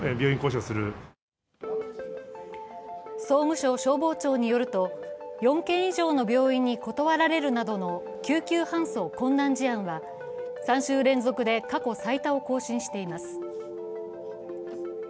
総務省消防庁によると、４件以上の病院に断られるなど、救急搬送困難事案は３週連続で過去最多を更新しています。